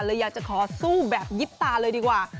เลยอยากจะขอสู้แบบยิบตาเลยดีกว่า